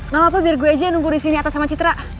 gak apa apa biar gue aja yang numpur di sini atas sama citra